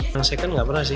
yang second nggak pernah sih